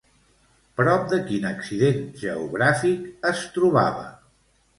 Prop de quin accident geogràfic es trobava?